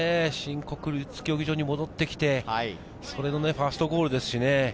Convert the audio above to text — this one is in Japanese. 新国立競技場に戻ってきてファーストゴールですしね。